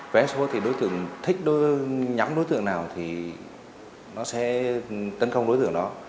vé số thì đối tượng thích nhắm đối tượng nào thì nó sẽ tấn công đối tượng đó